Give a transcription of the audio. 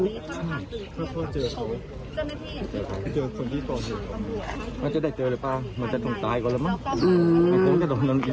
ชีวิตลูกพ่อหนึ่งชีวิตเนี้ยกับการกระทำของเขาเนี้ย